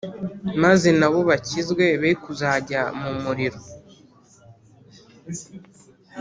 maze, na bo bakizwe be kuzajya mu muriro!